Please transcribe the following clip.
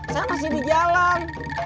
saya masih di jalan